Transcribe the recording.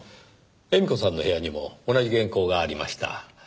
絵美子さんの部屋にも同じ原稿がありました。